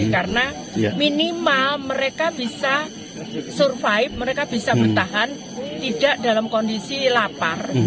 karena minimal mereka bisa survive mereka bisa bertahan tidak dalam kondisi lapar